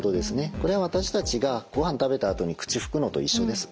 これは私たちがごはん食べたあとに口拭くのと一緒です。